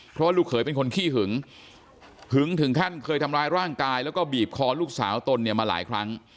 เพราะว่าลูกเขยเป็นคนขี้หึงหึงถึงขั้นเคยทำร้ายร่างกายแล้วก็บีบคอลูกสาวตนเนี่ยมาหลายครั้ง